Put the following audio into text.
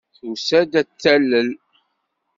Tusa-d ad t-talel.